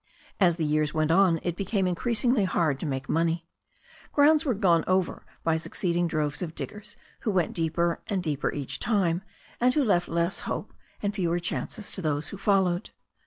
As the years went on it became increasingly hard to make money. Grounds were gone over by succeeding droves of THE STORY OF A NEW ZEALAND RIVER 315 diggers who went deeper and deeper each time, and who left less hope and fewer chances to those who followed.